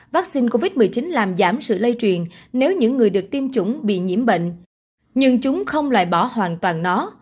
vaccine covid một mươi chín làm giảm sự lây truyền nếu những người được tiêm chủng bị nhiễm bệnh nhưng chúng không loại bỏ hoàn toàn nó